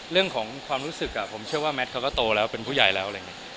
เรื่องของความรู้สึกผมเชื่อว่าแมทเขาก็โตแล้วเป็นผู้ใหญ่แล้วอะไรอย่างนี้